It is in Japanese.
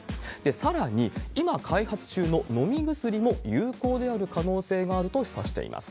さらに、今開発中の飲み薬も有効である可能性があるとしています。